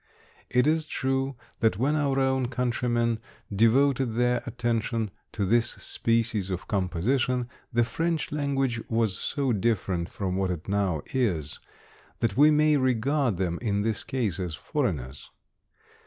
It is true, that when our own countrymen devoted their attention to this species of composition, the French language was so different from what it now is, that we may regard them in this case as foreigners.